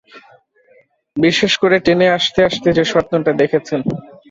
বিশেষ করে টেনে আসতেআসতে যে স্বপ্নটা দেখেছেন।